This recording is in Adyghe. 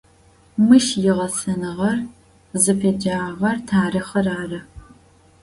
Мыщ игъэсэныгъэр, зыфеджагъэр тарихъыр ары.